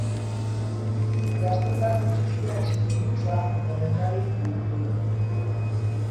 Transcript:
Gaztetan utzi zuen zinegintza eta dendari bihurtu.